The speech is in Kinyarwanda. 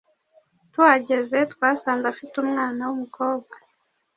tuhageze, twasanze afite umwana w'umukobwa